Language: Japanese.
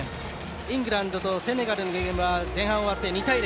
イングランドとセネガルのゲームは前半終わって、２対０。